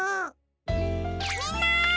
みんな！